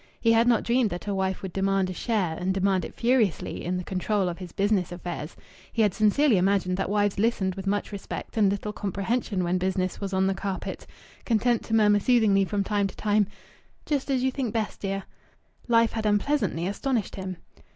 He had not dreamed that a wife would demand a share, and demand it furiously, in the control of his business affairs. He had sincerely imagined that wives listened with much respect and little comprehension when business was on the carpet, content to murmur soothingly from time to time, "Just as you think best, dear." Life had unpleasantly astonished him.